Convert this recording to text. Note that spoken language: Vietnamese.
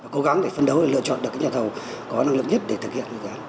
cố gắng để phân đấu và lựa chọn được những nhà thầu có năng lực nhất để thực hiện các dự án